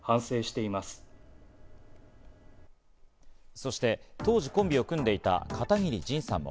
そして当時コンビを組んでいた片桐仁さんも